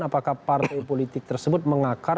apakah partai politik tersebut mengakar